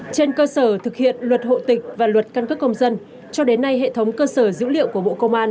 trên cơ sở thực hiện luật hộ tịch và luật căn cước công dân cho đến nay hệ thống cơ sở dữ liệu của bộ công an